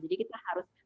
jadi kita harus pintar